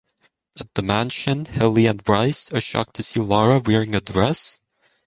At the mansion, Hilly and Bryce are shocked to see Lara wearing a dress.